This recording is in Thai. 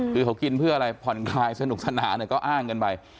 คือเขากินเพื่ออะไรผ่อนคลายสนุกสนานก็อ้างกันไป